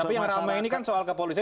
tapi yang ramai ini kan soal kepolisian